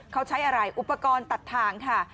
เขาใช้อะไรอุปกรณ์ตัดทางค่ะ